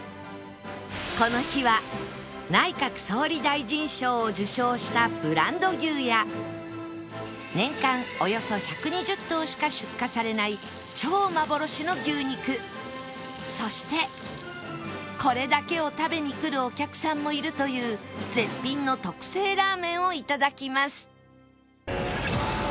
この日は内閣総理大臣賞を受賞したブランド牛や年間およそ１２０頭しか出荷されない超幻の牛肉そしてこれだけを食べに来るお客さんもいるという絶品の特製ラーメンをいただきます